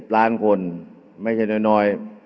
ล้านคนไม่ใช่น้อย